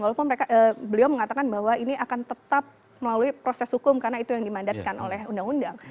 walaupun beliau mengatakan bahwa ini akan tetap melalui proses hukum karena itu yang dimandatkan oleh undang undang